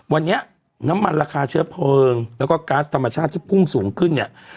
วันนี้น้ำมันราคาเชื้อเพลิงแล้วก็ก๊าซธรรมชาติที่พุ่งสูงขึ้นเนี่ย